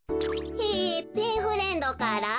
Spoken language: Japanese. へえペンフレンドから？